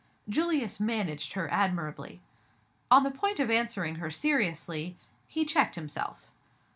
Julius managed her admirably. On the point of answering her seriously, he checked himself.